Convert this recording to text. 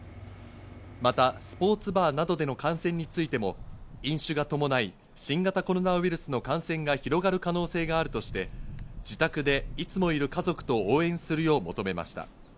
またスポーツバーなどでの感染についても飲酒が伴い、新型コロナウイルスの感染が広がる可能性があるとして、自宅でいつもいる家族と応援するよう求めました。